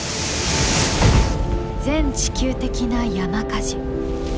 全地球的な山火事。